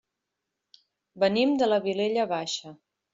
Venim de la Vilella Baixa.